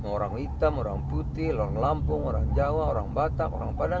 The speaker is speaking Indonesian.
orang hitam orang putih orang lampung orang jawa orang batak orang padang